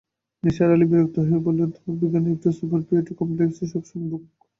নিসার আলি বিরক্ত হয়ে বললেন, তোমরা বিজ্ঞানীরা একটা সুপিরয়রিটি কমপ্লেক্সে সব সময় ভোগ।